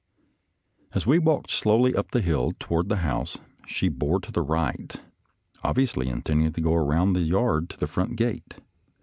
As we walked slowly up the hill toward the house, she bore to the right, obviously intending to go around the yard to the front gate.